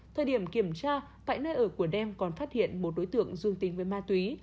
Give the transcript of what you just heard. thời điểm kiểm tra tại nơi ở của đem còn phát hiện một đối tượng dương tính với ma túy